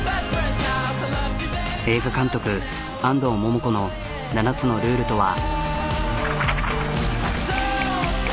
映画監督安藤桃子の７つのルールとは。